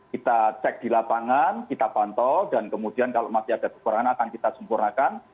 kita cek di lapangan kita pantau dan kemudian kalau masih ada kekurangan akan kita sempurnakan